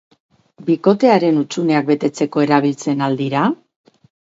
Bikotearen hutsuneak betetzeko erabiltzen al dira?